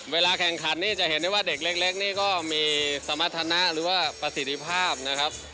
เวลาแข่งขันนี่จะเห็นได้ว่าเด็กเล็กนี่ก็มีสมรรถนะหรือว่าประสิทธิภาพนะครับ